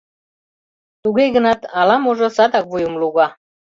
Туге гынат ала-можо садак вуйым луга.